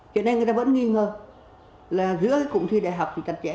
cho nên người ta vẫn nghi ngờ là giữa cái cụm thi đại học thì chặt chẽ